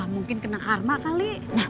mungkin kena karma kali